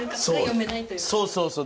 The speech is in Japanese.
そうそうそう。